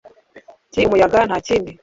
ti umuyaga ntakindi